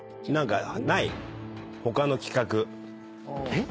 えっ？